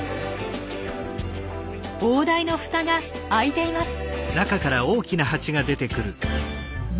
王台の蓋が開いています。